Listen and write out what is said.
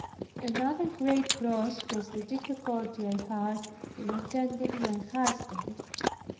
Another great cross was the difficulty I had in attending my husband.